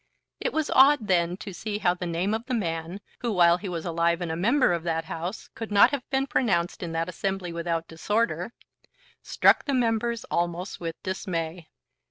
It was odd then to see how the name of the man, who, while he was alive and a member of that House, could not have been pronounced in that assembly without disorder, struck the members almost with dismay.